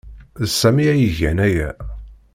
D Sami ay igan aya.